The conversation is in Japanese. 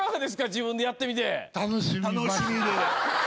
自分でやってみて。